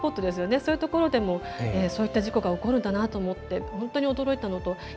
そういうところでもそういった事故が起こるんだなと思って本当に驚いたのと。